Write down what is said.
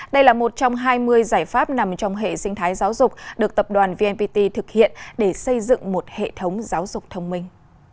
đây là một trong hai mươi giải pháp nằm trong hệ sinh thái giáo dục được tập đoàn vnpt thực hiện để xây dựng một hệ thống giáo dục thông minh